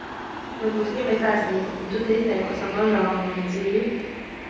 Varbūt viņam ir taisnība un tu te iznieko savu nožēlojamo dzīvi?